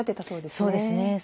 そうですね。